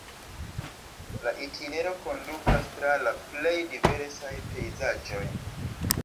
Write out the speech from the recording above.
La itinero kondukas tra la plej diversaj pejzaĝoj.